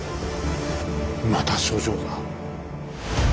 また書状だ。